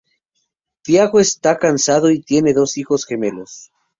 Thiago está casado y tiene dos hijos gemelos.